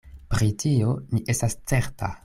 Pri tio mi estas certa.